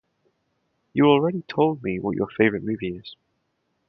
You already told me what your favorite movie is.